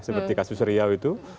seperti kasus riau itu